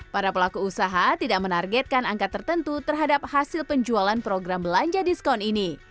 para pelaku usaha tidak menargetkan angka tertentu terhadap hasil penjualan program belanja diskon ini